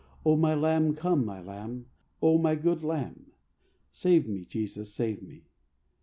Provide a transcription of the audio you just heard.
O my Lamb, come, my Lamb, O my good Lamb, Save me, Jesus, save me.